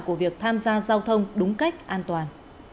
của việc tham gia giao thông đúng cách an toàn